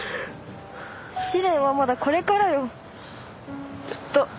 試練はまだこれからよきっと。